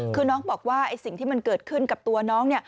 คือน้องบอกว่าสิ่งที่มันเกิดขึ้นกับตัวน้อง